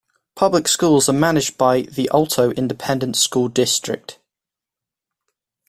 Public schools are managed by the Alto Independent School District.